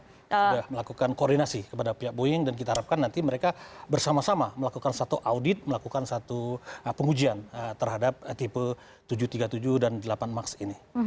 sudah melakukan koordinasi kepada pihak boeing dan kita harapkan nanti mereka bersama sama melakukan satu audit melakukan satu pengujian terhadap tipe tujuh ratus tiga puluh tujuh dan delapan max ini